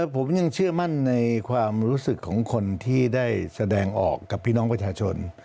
ผมยังเชื่อมั่นในความรู้สึกของคนที่ได้แสดงออกกับพี่น้องประชาชน